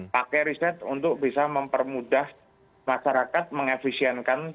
pakai riset untuk bisa mempermudah masyarakat mengefisienkan